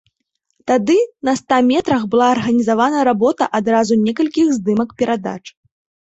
Тады на ста метрах была арганізавана работа адразу некалькіх здымак перадач.